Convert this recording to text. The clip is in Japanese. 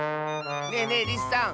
ねえねえリスさん